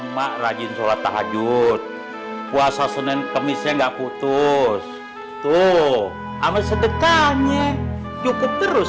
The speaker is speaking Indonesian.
mak rajin sholat tahajud puasa senin kemisnya enggak putus tuh amat sedekahnya cukup terus